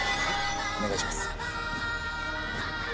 お願いします。